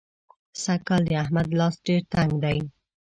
سږکال د احمد لاس ډېر تنګ دی.